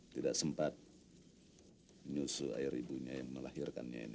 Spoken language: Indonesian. tidak sempat menyusu air ibunya yang melahirkannya ini